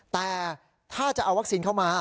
แต่ถ้าจะเอาวัคซีนเข้ามา